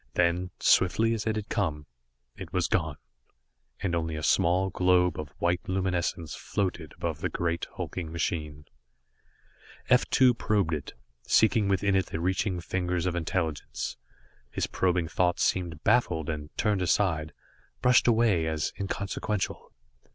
Then, swiftly as it had come, it was gone, and only a small globe of white luminescence floated above the great hulking machine. F 2 probed it, seeking within it with the reaching fingers of intelligence. His probing thoughts seemed baffled and turned aside, brushed away, as inconsequential.